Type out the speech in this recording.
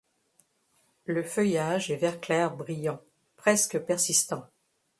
Le feuillage est vert clair brillant, presque persistant.